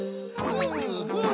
ふんふん。